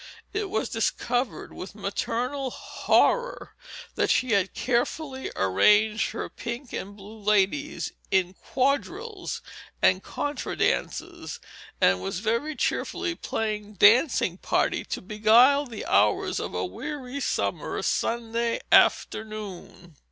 It was discovered with maternal horror that she had carefully arranged her pink and blue ladies in quadrilles and contra dances, and was very cheerfully playing dancing party, to beguile the hours of a weary summer Sunday afternoon.